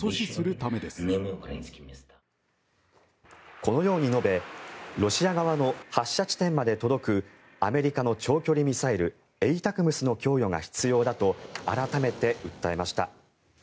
このように述べロシア側の発射地点まで届くアメリカの長距離ミサイルＡＴＡＣＭＳの供与が必要だと改めて訴えました。